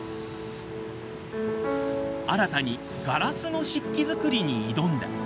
新たにガラスの漆器作りに挑んだ。